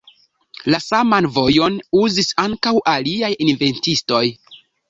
La saman vojon uzis ankaŭ aliaj inventistoj.